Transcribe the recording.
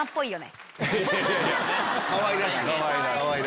かわいらしい。